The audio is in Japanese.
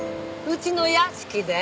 うちの屋敷で？